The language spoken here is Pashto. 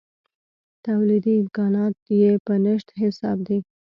تولیدي امکانات یې په نشت حساب دي.